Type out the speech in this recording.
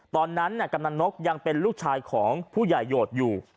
กำนันนกยังเป็นลูกชายของผู้ใหญ่โหดอยู่